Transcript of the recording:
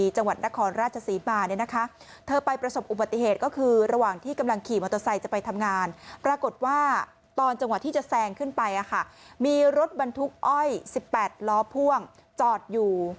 จังหวะที่จะแซงขึ้นไปค่ะมีรถบรรทุกอ้อย๑๘ล้อพ่วงจอดอยู่